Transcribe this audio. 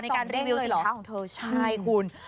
การรีวิวสินค้าของเธอใช่คุณ